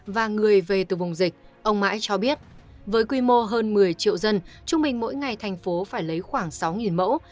và người về từ vùng dịch ông mãi cho biết với quy mô hơn một mươi triệu dân trung bình mỗi ngày thành phố phải lấy khoảng sáu mẫu